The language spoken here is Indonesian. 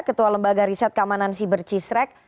ketua lembaga riset kemanan cyber cheese rek